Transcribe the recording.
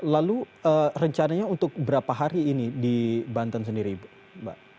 lalu rencananya untuk berapa hari ini di banten sendiri mbak